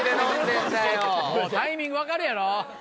もうタイミング分かるやろ。